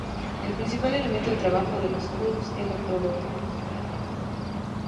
El principal elemento de trabajo de los urus es la totora.